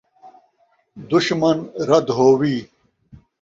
دشمن رد ہووی